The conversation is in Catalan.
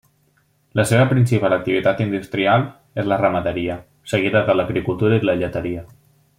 La seva principal activitat industrial és la ramaderia, seguida de l'agricultura i la lleteria.